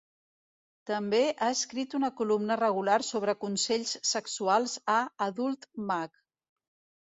També ha escrit una columna regular sobre consells sexuals a Adult Mag.